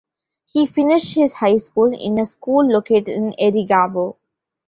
He finished his high school in a school located in Erigavo.